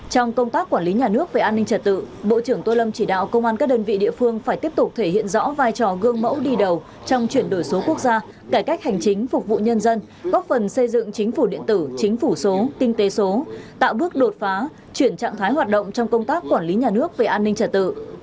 trong công tác quản lý nhà nước về an ninh trật tự bộ trưởng tô lâm chỉ đạo công an các đơn vị địa phương phải tiếp tục thể hiện rõ vai trò gương mẫu đi đầu trong chuyển đổi số quốc gia cải cách hành chính phục vụ nhân dân góp phần xây dựng chính phủ điện tử chính phủ số kinh tế số tạo bước đột phá chuyển trạng thái hoạt động trong công tác quản lý nhà nước về an ninh trả tự